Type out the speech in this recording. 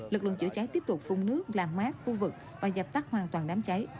lực lượng chữa cháy tiếp tục phun nước làm mát khu vực và dập tắt hoàn toàn đám cháy